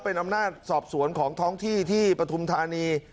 เป็นอำนาจสอบสวนของท้องที่ที่ปฐุมธานี